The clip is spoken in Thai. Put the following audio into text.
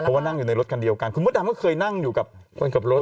เพราะว่านั่งอยู่ในรถคันเดียวกันคุณมดดำก็เคยนั่งอยู่กับคนขับรถ